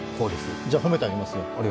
じゃあ褒めてあげますよ。